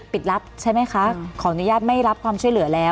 ปิดรับใช่ไหมคะขออนุญาตไม่รับความช่วยเหลือแล้ว